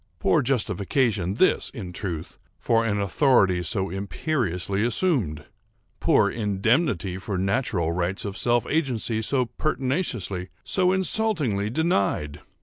Poor justification this, in truth, for an authority so imperiously assumed! Poor indemnity for natural rights of self agency so pertinaciously, so insultingly denied!